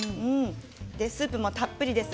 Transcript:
スープもたっぷりです。